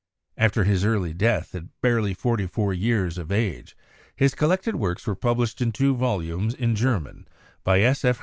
After his early death at barely forty four years of age, his collected works were published in two volumes in German by S. F.